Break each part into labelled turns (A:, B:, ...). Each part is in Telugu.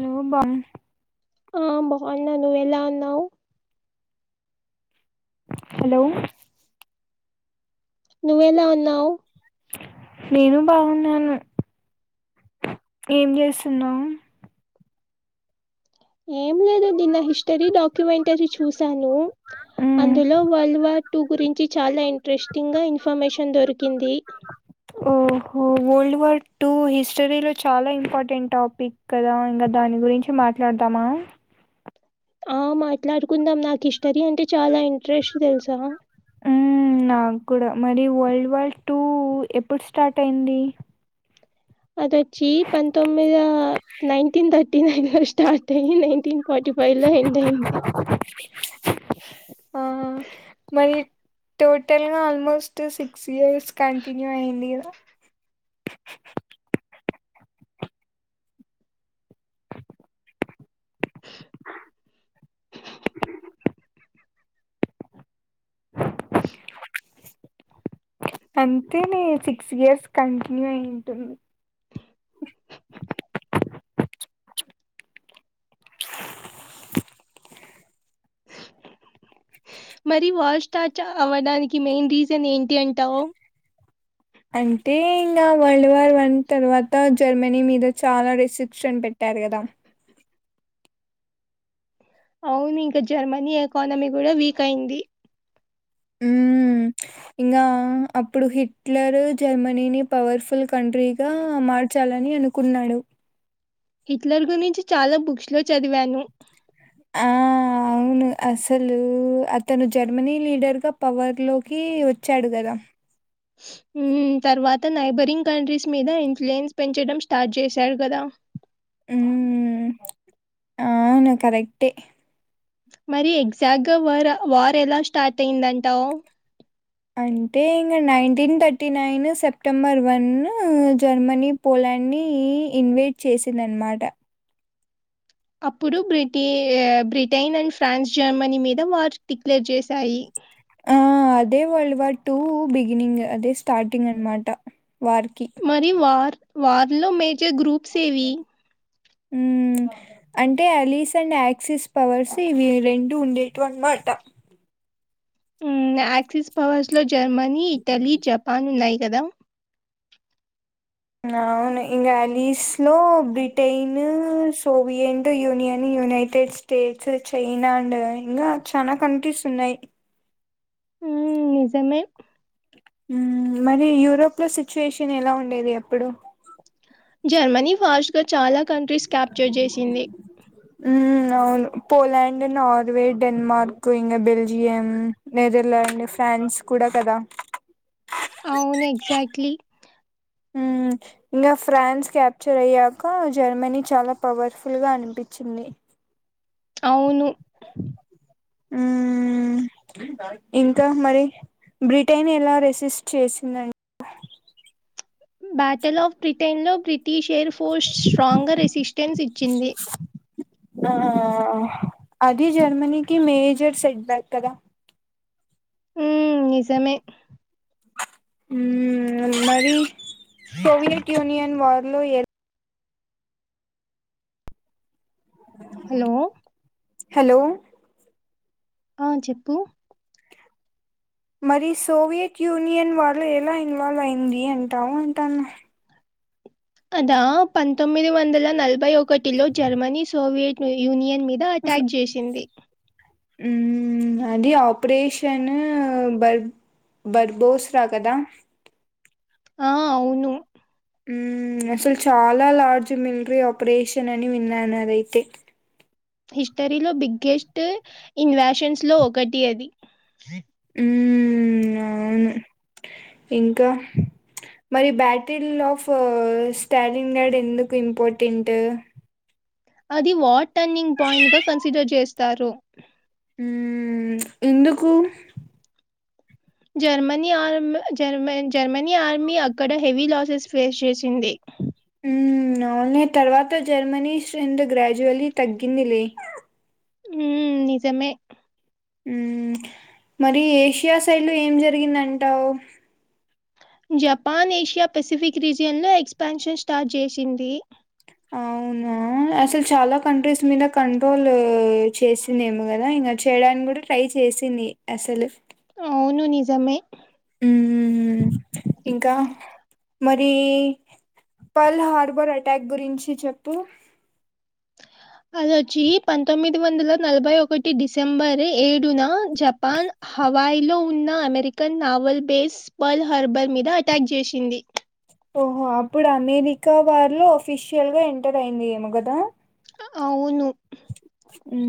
A: హలో బా
B: ఆ బాన్నా నువ్వ ఎలా ఉన్నావు
A: హలో
B: నువ్వెలా ఉన్నావు
A: నేను బాగున్నాను ఏం చేస్తున్నావ్
B: ఏం లేదు నిన్న హిస్టరీ డాక్యుమెంటరీ చూశాను
A: మ్మ్
B: అందులో వల్డ్ వార్ టూ గురించి చాలా ఇంట్రెస్టింగ్ గా ఇన్ఫర్మేషన్ దొరికింది
A: ఓహో వరల్డ్ వార్ టూ హిస్టరీలో చాలా ఇంపార్టెంట్ టాపిక్ కదా ఇంగ దాన్ గురించి మాట్లాడతామా
B: ఆ మాట్లాడుకుందాం నాకు హిస్టరీ అంటే చాలా ఇంట్రెస్ట్ తెల్సా
A: మ్మ్ నాకు కూడా మరి వరల్డ్ వార్ టూ ఎప్పుడు స్టార్ట్ అయింది
B: అదొచ్చి పంతొమ్మిదా నైన్టీన్ థర్టీ నైన్ లో స్టార్ట్ అయ్యి నై టిన్ ఫార్టీ ఫైవ్లా ఎండ్ అయింది
A: ఆ మరి టోటల్గా ఆల్మోస్ట్ సిక్స్ ఇయర్స్ కంటిన్యూ అయింది కదా అంతే నే సిక్స్ ఇయర్స్ కంటిన్యూ అయింటుంది
B: మరి వాల్ స్టార్చ్ అవడానికి మెయిన్ రీజన్ ఏంటి అంటావు
A: అంటే ఇంగ వరల్డ్ వార్ వన్ తర్వాత జర్మనీ మీద చాలా రెస్ట్రిక్షన్ పెట్ట రు గదా
B: అవును ఇంకా జర్మనీ ఎకానమీ కూడా వీక్ అయింది
A: హ్మ్. ఇంగా అప్పుడు హిట్లర్ జర్మనీని పవర్ఫుల్ కంట్రీ గా మార్ చాలని అనుకున్నాడు
B: హిట్లర్ గురించి చాలా బుక్స్లో చదివాను
A: ఆ అవును అస్సలు అతను జర్మనీ లీడర్గా పవర్లోకి వచ్చాడు కదా
B: హ తర్వాత నైబరింగ్ కంట్రీస్ మీద ఇన్ఫ్లుయెన్స్ పెంచడం స్టార్ట్ చేశాారు కదా
A: ఉ అవును కరెక్టే
B: మరి ఎగ్జాక్ట్గా వ వార్ ఎలా స్టార్ట్ అయిందంటావు
A: అంటే ఇంకా nineteen thirty nine September one Germany Poland అన్ని ఇన్వైట్ చేసింధన్మాటా
B: అప్పుడు బ్రిటి బ్రిటైన్ అండ్ ఫ్రాన్స్ జర్మనీ మీద వార్స్ డిక్లేర్ చేశాయి
A: ఆ అదే వరల్డ్ వార్ టూ బిగినింగ్ అదే స్టార్టింగ్ అనమాట వార్‌కి.
B: మరి వార్ వర్లో మేజర్ గ్రూప్స్ ఏవి
A: హమ్ అంటే అలీస్ అండ్ యాక్సిస్ పవర్స్ ఇవి రెండు ఉండేట్వి అన్నమాట
B: యాక్సిస్ పవర్స్ లో జర్మనీ ఇటలీ జపాన్ ఉన్నాయి కదా
A: అవును ఇంగ లిస్టులో Britain Soviet Union United States China and ఇంకా చనా కంట్రీస్ ఉన్నాయి
B: హ్మ్మ్ నిజమే
A: మరి యూరోప్లో సిచ్యుయేషన్ ఎలా ఉండేది ఎప్పుడు
B: జర్మనీ ఫాస్ట్గా చాలా కంట్రీస్ క్యాప్చర్ చేసింది
A: పోలాడ్ నార్వే డెన్మార్క్ ఇక బల్జిం నెదర్లాండ్ ఫన్స్ ఫండ్స్ కూడా కదా
B: అవును ఎక్జాక్ట్లీ
A: ఇంకా ఫ్రాన్స్ క్యాప్చర్ అయ్యాక జర్మనీ చాలా పవర్ఫుల్ గా అనిపించింది ని
B: అవును
A: మ్మ్ ఇంకా మరి బ్రిటన్ ఎలా రెసిస్ట్ చేసిందండి
B: [inaudible] బ్యాటిల్ ఆఫ్ బ్రిటెన్లో బ్రిటిషేర్ ఫోర్స్ స్ట్రాంగర్ రెసిస్టెన్స్ ఇచ్చింది
A: ఆ అది జర్మనీకి మేజర్ సెట్బ్యాక్ కదా
B: ఉ నిజమే
A: హ్మ్ మరి సోవియట్ యూనియన్ వారిలో ఎ
B: హలో
A: హలో
B: ఆ చెప్పు
A: మరి సోవియట్ యూనియన్ వర్లో ఎలా ఇన్వాల్వ్ అయింది అంటావు అంటాను
B: అదా పంతొమ్మిది వందల నలభై ఒకటిలో జర్మనీ సోవియట్ యూనియన్ మీద అటాక్ చేసింది
A: ఉ అది ఆపరేషన్ బర్ బర్బోస్రా కదా
B: ఆ అవును
A: హ్మ్ అస్సల్ చాలా లార్జ్ మిలిటరీ ఆపరేషన్ అని విన్నాను అదైతే
B: హిస్టరీలో బిగ్గెస్ట్ ఇన్వేషన్స్ లో ఒకటి అది
A: ఉ అవును ఇంకా మరి బ్యాటిల్ ఆఫ్ స్టాలిన్ గార్డ్ ఎందుకు ఇంపార్టెంట్
B: అది వాట్ టర్నింగ్ పాయింట్ గా కన్సిడర్ చేస్తారు
A: ఉ ఎందుకు
B: జమ జర్మనీ ఆర్మీ అక్కడ హెవీ లాసెస్ ఫేస్ చేసింది
A: ఉ న తర్వాత జర్మనీంద గ్రాజ్యువలీ తగ్గింది లే
B: ఉ నిజమే
A: ఉ మరి ఏషియా సైడ్ లో ఏం జరిగింద అంటావు
B: జపాన్ ఏషియా పెసిఫిక్ రీజియన్లో ఎక్స్పాన్షన్ స్టార్ట్ చేసింది
A: అవునా అసలు చాలా కంట్రీస్ మీద కంట్రోల్ చేసిందేమి కదా ఇ చేయడానికి కూడా ట్రై చేసింది అసలు
B: అవును నిజమే
A: ఉ ఇంకా మరి పల్ హార్బర్ అటాక్ గురించి చెప్పు
B: అలోచి పంతొమ్మిది వందల నలభై ఒకటి డిసెంబర్ ఏడున జపాన్ హవాయిలో ఉన్న American naval base Pearl herbal మీద అటాక్ చేసింది
A: ఓహో అప్పుడు అమెరికా వారిలో అఫిషియల్ గా ఎంటర్ అయింది ఏమో కదా
B: అవును
A: ఉ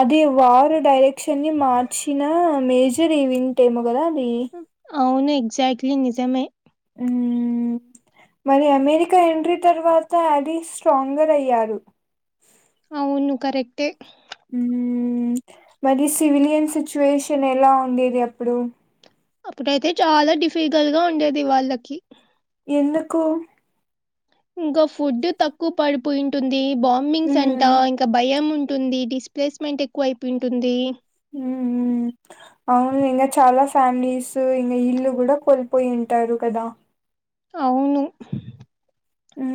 A: అది వారు డైరెక్షన్ ని మార్చిన మేజర్ ఈవెంట్ ఏమో గదది
B: అవును ఎక్్జాక్ట్లీ నిజమే
A: మ్మ్ మరి అమెరికా ఎంట్రీ తర్వాత అలీ స్ట్రాంగర్ అయ్యారు
B: అవును కరెక్టే
A: మరి సివిలియన్ సిచ్యువేషన్ ఎలా ఉండేది అప్పుడు
B: అప్పుడైతే చాలా డిఫికల్ట్ గా ఉండేది వాళ్ళకి
A: ఎందుకు
B: ఇంకా ఫుడ్ తక్కువ పడిపోయింటుంది బాంబింగ్స్ అంటా
A: మ్మ్
B: ఇంకా భయం ఉ ఉంటుంది డిస్ప్లేస్మెంట్ ఎక్కువ అయిపో ఉంటుంది
A: మ్మ్ అవును ఇంకా చాలా ఫ్యామిలీస్ ఇంకా ఇల్లు కూడా కోల్పోయింటారు కదా
B: అవును
A: ఉ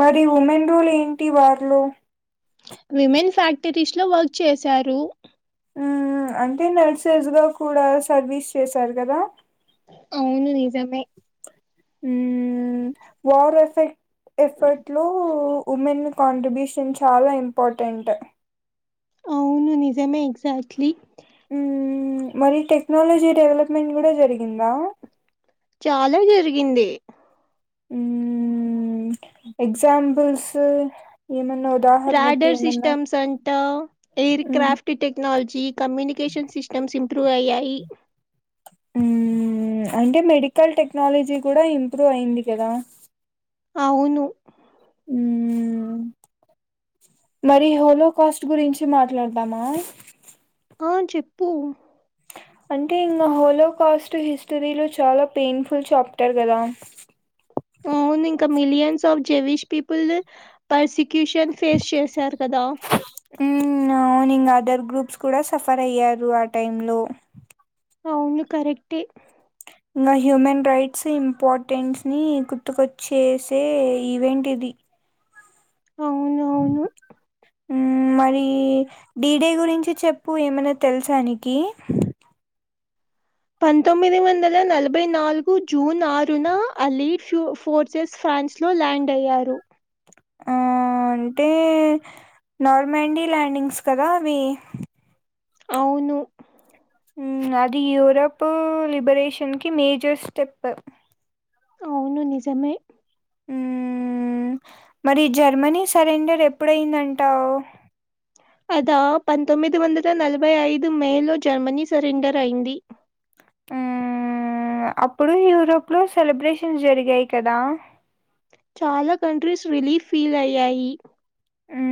A: మరి ఉమెన్ రోలు ఏంటి వారిలో
B: విమెన్ ఫ్యాక్టరీస్ లో వర్క్ చేశారు
A: ఉ అంటే నర్సెస్ గా కూడా సర్వీస్ చేసారు కదా
B: అవును నిజమే
A: వార్ ఎఫెక్ట్ ఎఫర్ట్ లో ఉమెన్ కాంట్రిబ్యూషన్ చాలా ఇంపార్టెంట్
B: అవును నిజమే ఎక్జాక్ట్లీ
A: ఉ మరి టెక్నాలజీ డెవలప్ మెన్ కూడా జరిగిందా
B: ముగిందే
A: ఎగ్జాపుల్స్ ఏ
B: రాడర్ సిస్టమ్స్ అంట air
A: hmm
B: craft technology communication systems improve అయ్యాయి
A: అంటే మెడికల్ టెక్నాలజీ కూడా ఇంప్రూవ్ అయింది కదా
B: అవును
A: ఉ మరి హోలో కాస్ట్ గురించి మాట్లాడదామా
B: ఆ చెప్పు
A: అంటే ఇంకా హోలోకాస్ట్ హిస్టరీలో చాలా పెయిన్ఫుల్ చాప్టర్ కదా
B: అవును ఇంకా millions of Jewish people prosecution face చేశారు కదా
A: నింగ్ అదర్ గ్రూప్స్ కూడా సఫర్ అయ్యారు ఆ టై లో
B: అవును కరెక్ే
A: ఇ హ్యూమన్ రైట్స్ ఇంపార్టెన్స్ ని గుర్తుకొచ్చేసే ఈవెంట్ ఇది
B: అవున అవును
A: మరి డడిడే గురించి చెప్పు ఏమైనా తెలుసానికి
B: పంతొది వందల నలభై నల్గు జూన్ ఆరు నా అలీ ఫ ఫోర్సెస్ ఫ ఫ్రాన్స్ లో ల్యాండ్ అయ్యారు
A: ఆ అంటే నార్మాండీ ల్యాండింగ్స్ కదా అవి
B: అవును
A: అది యూరప్ లిబరేషన్ కి మేజర్ స్టెప్
B: అవును నిజమే
A: ఉ మరి జర్మనీ సరెండర్ ఎప్పుడయిందంటావు
B: అద పంతొమ్మిది వందల నలభై ఐదు మే లో జర్మనీ సరెండర్ అయింది
A: అప్పుడు యూరోప్ లో సెలబ్రేషన్స్ జరిగాయి కదా
B: చాలా కంట్రీస్ రిలీఫ్ ఫీల్ అయ్యాయి
A: ఉ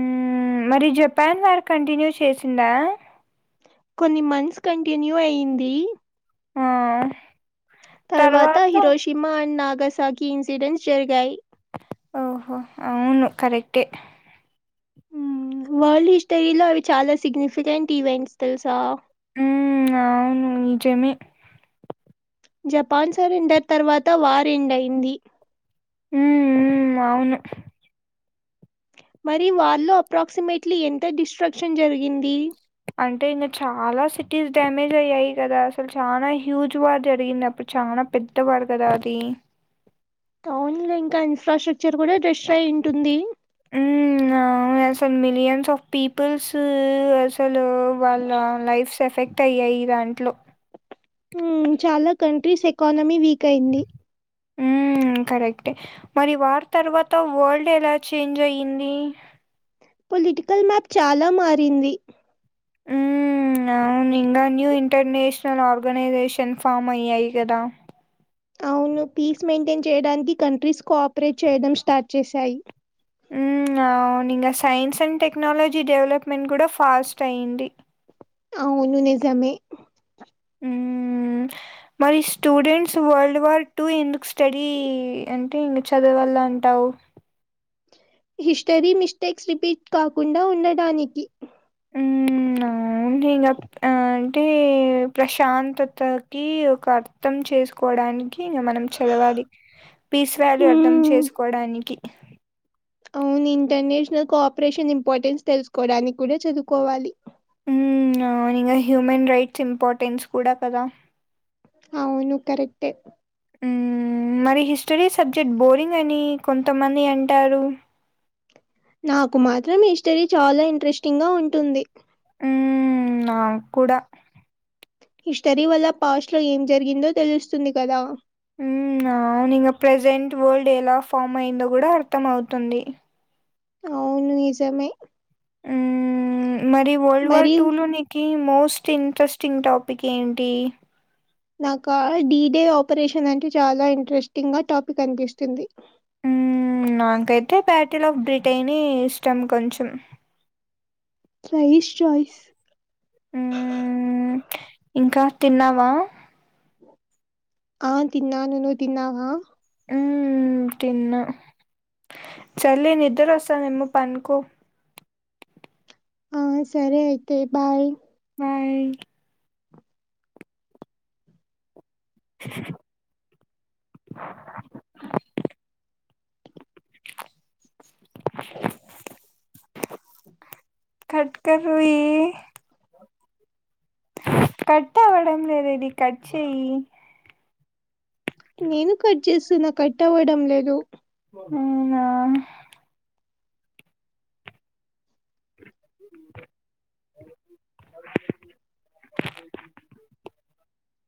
A: మరి జపాన్ వారు కంటిన్యూ చేసిందా
B: కొన్ని మంత్స్ కంటిన్యూ అయ్యంది
A: ఆ
B: తర్వాత హీరోషిమా అండ్ నాగసాగి ఇన్సిడెంట్స్ జరిగాయి
A: ఓహో అవును కరెక్టే
B: వరల్డ్ హిస్టరీలో అవి చాలా సిగ్నిఫికెంట్ ఈవెంట్స్ తెలుసా
A: హ అవును నిజమే
B: జపాన్ సరెండర్ తర్వాత వార్ ఎంండయింది
A: ఉ అవును
B: మరి వాళ్ళ అప్రాక్సిమేట్లీ ఎంత డిస్ట్రాక్షన్ జరిగింది
A: అంటే ఇన్న చాలా సిటీస్ డ్యామేజ్ అయ్యాయి కదా అసలు చాలా హ్యూజ్ వార్ జరిగింది ఇప్పుడు చాలా పెద్దవారు కదా అది
B: అవున్ ఇంకా ఇన్ఫ్రాస్ట్రక్చర్ కూడా డెస్ట్రా అయి ఉంటుంది
A: హ్మ్. అవును. అసలు మిలియన్స్ ఆఫ్ పీపుల్స్ అసలు వాళ్ళ లైఫ్స్ ఎఫెక్ట్ అయ్యాయి దాంట్లో
B: చాలా కంట్రీస్ ఎకానమీ వీక్ అయింది
A: కరెక్ట్ే మరి వార్ తర్వాత వరల్డ్ ఎలా చేంజ్ అయ్యంది
B: పొలిటికల్ మ్యాప్ చాలా మారింది
A: హ్మ్. అవును ఇంకా న్యూ ఇంటర్నేషనల్ ఆర్గనైజేషన్ ఫామ్ అయ్యాయి కదా
B: అవును పీస్ మెయింటైన్ చేయడానికి కంట్రీస్ కోఆపరేట్ చేయడం స్టార్ట్ చేశాయి
A: science and tech technology development కూడా ఫాస్ట్ అయ్యంది
B: అవును నిజమే
A: ఉమ్మ్మ్మ్ మరి స్టూడెంట్స్ వరల్డ్ వార్ టూ ఎందుకు స్టడీ అంటే ఇంక చదవాల అంటావు
B: హిస్టరీ మిస్టేక్స్ రిపీట్ కాకుండా ఉండడానికి
A: అవు ఇంకా అంటే ప్రశాంతతకి ఒక అర్థం చేసుకోవడానికి కి మనం చదవాలి పీస్ వాల్యూ అర్థం
B: హ్మ్
A: చేసుకోడానికి
B: అవును ఇంటర్నేషనల్ కోఆపరేషన్ ఇంపార్టెన్స్ తెలుసుకోవడానికి కూడా చదువుకోవాలి
A: ఉ ఇంగ హ్యూమన్ రైట్స్ ఇంపార్టెన్స్ కూడా కదా
B: అవును కరెక్టే
A: హ్మ్ మరి హిస్టరీ సబ్జెక్ట్ బోరింగ్ అని కొంతమంది అంటారు
B: నాకు మాత్రం హిస్టరీ చాలా ఇంట్రెస్టింగ్గా ఉంటుంది
A: ఉ నాకూడా
B: హిస్టరీ వల్ల పాస్ట్లో ఏం జరిగిందో తెలుస్తుంది కదా
A: హ్మ్ ఆ ప్రజెంట్ వరల్డ్ ఎలా ఫామ్ అయిందో కూడా అర్థంమవుతుంది
B: అవును నిజమే
A: ఆ మరి వరల్డ్ వార్
B: మరి
A: టూలోనికి మోస్ట్ ఇంట్రెస్టింగ్ టాపిక్ ఏంటి
B: నాకా డిడే ఆపరేషన్ అంటే చాలా ఇంట్రెస్టింగ్ గా టాపిక్ అనిపిస్తుంది
A: నాకైతే బ్యాటిల్ ఆఫ్ బ్రిటెనే ఇష్టం కొంచెం
B: సైస్ చయిస్
A: హ ఇంకా తిన్నావా
B: ఆ తిన్నాను నువ్ తిన్నావా
A: ఉ తిన్న సర్లే నిద్రొస్తానందేమో పన్కో
B: ఆ సరే అయితే బాయ్
A: బాయ్ [inaudible]
B: [inaudible]
A: కట్కర్రీ కట్టవడం లేదిది కట్ చేయి
B: నేను కట్ చేస్తున్నా కట్ అవ్వడం లేదు
A: అవునా
B: [inaudible] [inaudible]